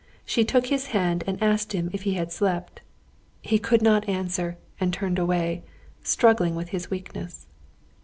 She took his hand and asked him if he had slept. He could not answer, and turned away, struggling with his weakness.